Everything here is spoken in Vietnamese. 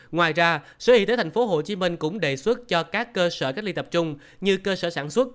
ngoài ra sở y tế tp hcm cũng đề xuất cho các cơ sở cách ly tập trung như cơ sở sản xuất